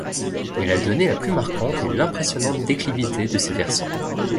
Mais la donnée la plus marquante est l'impressionnante déclivité de ses versants.